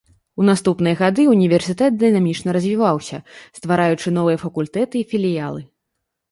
У наступныя гады універсітэт дынамічна развіваўся, ствараючы новыя факультэты і філіялы.